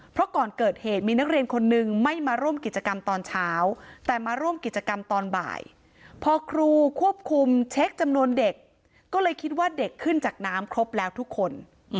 เพราะก่อนเกิดเหตุมีนักเรียนคนนึงไม่มาร่วมกิจกรรมตอนเช้าแต่มาร่วมกิจกรรมตอนบ่ายพอครูควบคุมเช็คจำนวนเด็กก็เลยคิดว่าเด็กขึ้นจากน้ำครบแล้วทุกคน